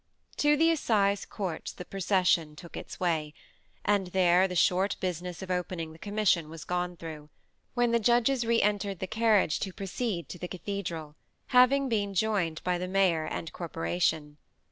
To the assize courts the procession took its way, and there the short business of opening the commission was gone through, when the judges re entered the carriage to proceed to the cathedral, having been joined by the mayor and corporation.